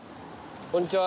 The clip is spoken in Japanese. こんにちは。